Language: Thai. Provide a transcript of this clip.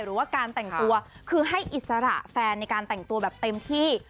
หรือว่าการแต่งตัวคือให้อิสระแฟนในการแต่งตัวแบบเต็มที่